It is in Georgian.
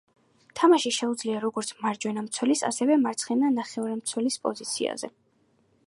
თამაში შეუძლია როგორც მარცხენა მცველის, ასევე მარცხენა ნახევარმცველის პოზიციაზე.